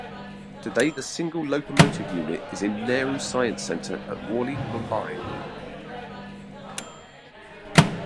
Today the single locomotive unit is in Nehru Science center at Worli Mumbai.